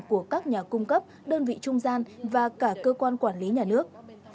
của các nhà cung cấp đơn vị trung gian và cả cơ quan quản lý nhà nước